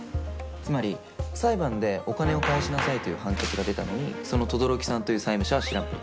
つまり裁判でお金を返しなさいという判決が出たのにその轟木さんという債務者は知らんぷり。